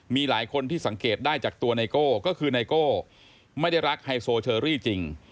มีหลายคนที่สังเกตได้จากตัวไนโก้ก็คือไนโก้ไม่ได้รักไฮโซเชอรี่จริง